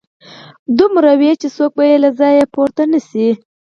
دومره وي چې څوک به يې له ځايه پورته نشي